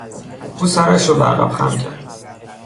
او سرش را به عقب خم کرد.